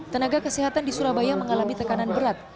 tenaga kesehatan di surabaya mengalami tekanan berat